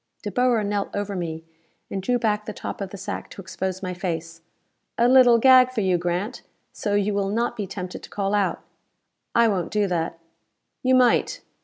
De Boer knelt over me, and drew back the top of the sack to expose my face. "A little gag for you, Grant, so you will not be tempted to call out." "I won't do that." "You might.